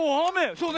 そうね。